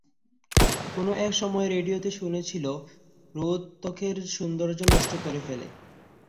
কোন এক সময় রেডিওতে শুনেছিল- রোদ ত্বকের সৌন্দর্য নষ্ট করে ফেলে।